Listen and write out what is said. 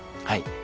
はい。